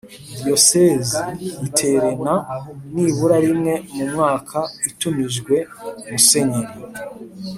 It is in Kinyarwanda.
Diyosezi Iterena Nibura Rimwe Mu Mwaka Itumijwe musenyeri